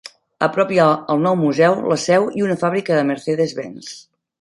A prop hi ha el nou museu, la seu i una fàbrica de Mercedes-Benz.